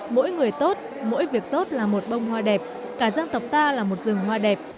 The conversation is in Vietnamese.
mỗi người tốt mỗi việc tốt là một bông hoa đẹp cả dân tộc ta là một rừng hoa đẹp